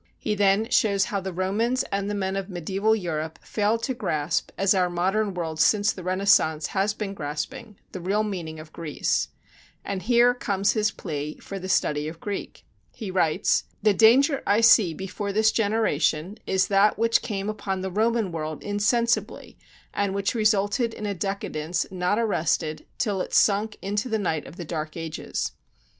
He then shows how the Romans and the men of medieval Europe failed to grasp, as our modern world since the Renaissance has been grasping, the real meaning of Greece. And here comes in his plea for the study of Greek. He writes: "The danger I see before this generation is that which came upon the Roman world insensibly and which resulted in a decadence not arrested till it sunk into the night of the dark ages.